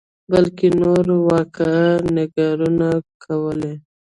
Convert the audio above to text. بلکې نورو واقعه نګارانو کولې.